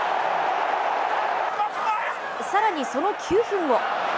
さらにその９分後。